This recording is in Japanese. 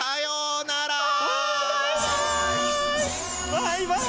バイバイ！